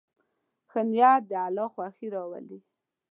ښه نیت د الله خوښي راولي.